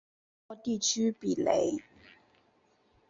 沃地区比雷。